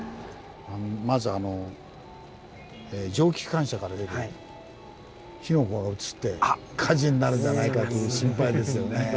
まずあの蒸気機関車から出てる火の粉が移って火事になるんじゃないかという心配ですよね。